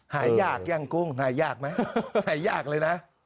หายากยังกุ้งหายากไหมหายากเลยนะ